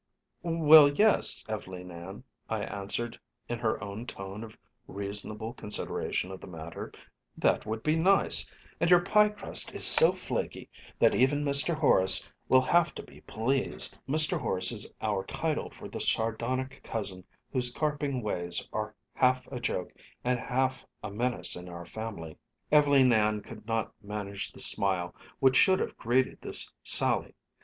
"Well, yes, Ev'leen Ann," I answered in her own tone of reasonable consideration of the matter; "that would be nice, and your pie crust is so flaky that even Mr. Horace will have to be pleased." "Mr. Horace" is our title for the sardonic cousin whose carping ways are half a joke, and half a menace in our family. Ev'leen Ann could not manage the smile which should have greeted this sally.